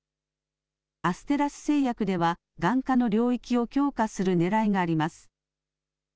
アステラス製薬では眼科の領域を強化するねらいがあります。